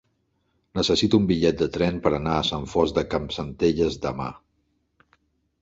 Necessito un bitllet de tren per anar a Sant Fost de Campsentelles demà.